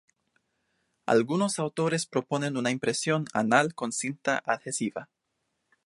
Algunos autores proponen una impresión anal con cinta adhesiva.